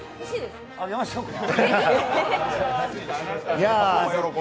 あげましょうか？